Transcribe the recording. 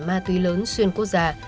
ma túy lớn xuyên quốc gia